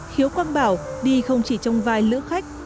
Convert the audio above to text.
khiếu quang bảo đi không chỉ trong vài lữ khách